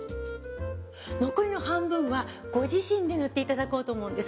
残りの半分はご自身で塗っていただこうと思うんです。